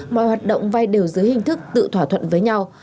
mọi hoạt động vay đều dưới hình thức tự thỏa thuận với nhau